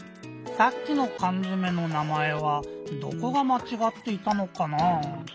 さっきのかんづめの名まえはどこがまちがっていたのかな？